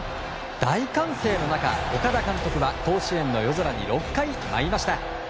大歓声の中、岡田監督は甲子園の夜空に６回舞いました。